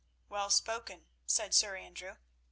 "Well spoken," said Sir Andrew.